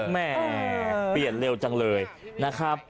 แหม่เปลี่ยนเร็วจังเลยนะครับ